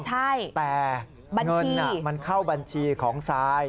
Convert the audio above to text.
ใช่แต่เงินมันเข้าบัญชีของซาย